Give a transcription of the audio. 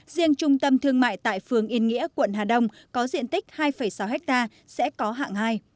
riêng trung tâm thương mại tại phường yên nghĩa quận hà đông có diện tích hai sáu ha sẽ có hạng hai